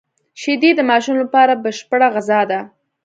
شیدې د ماشوم لپاره بشپړه غذا ده